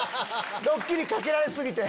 ドッキリかけられ過ぎて。